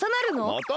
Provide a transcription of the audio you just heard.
「また」